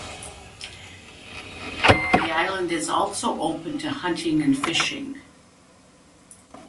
The island is also open to hunting and fishing.